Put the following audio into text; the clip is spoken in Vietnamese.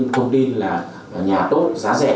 thông tin là nhà tốt giá rẻ